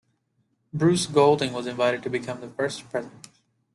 Bruce Golding was invited to become the first President.